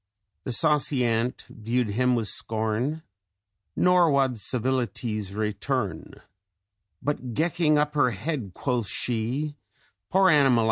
The saucy ant view'd him wi' scorn, Nor wad civilities return; But gecking up her head, quoth she, 'Poor animal!